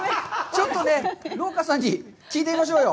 ちょっと農家さんに聞いてみましょうよ。